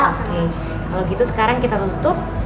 oke kalau gitu sekarang kita tutup